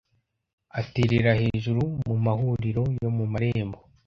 aterera hejuru mu mahuriro yo mu marembo,